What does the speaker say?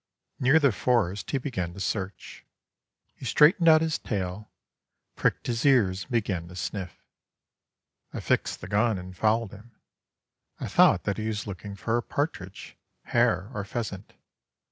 Near the forest he began to search. He straightened out his tail, pricked his ears, and began to sniff. I fixed the gun and followed him. I thought that he was looking for a partridge, hare, or pheasant.